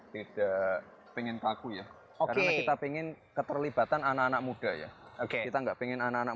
tidak pengen takut ya oke kita pingin keterlibatan anak anak muda ya oke kita nggak pengen anak anak